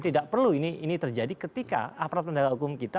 tidak perlu ini terjadi ketika aparat penegak hukum kita